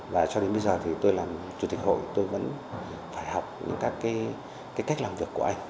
và cho đến bây giờ tôi là chủ tịch hội tôi vẫn phải học những cách làm việc của anh